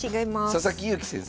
佐々木勇気先生。